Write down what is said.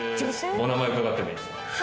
お名前伺ってもいいですか？